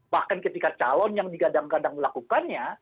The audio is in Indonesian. bahkan ketika calon yang digadang gadang melakukannya